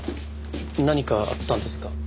何かあったんですか？